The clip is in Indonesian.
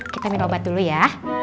kita minum obat dulu ya